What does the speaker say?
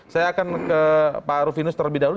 saya akan ke pak rufinus terlebih dahulu